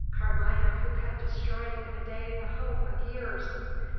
Carmina, who had destroyed in a day the hope of years!